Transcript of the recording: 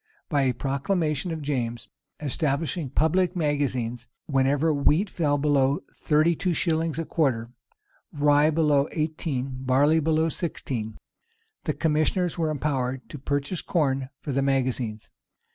By a proclamation of James, establishing public magazines, whenever wheat fell below thirty two shillings a quarter, rye below eighteen, barley below sixteen, the commissioners were empowered to purchase corn for the magazines.